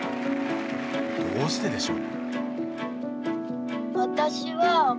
どうしてでしょう。